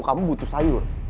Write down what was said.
kamu butuh sayur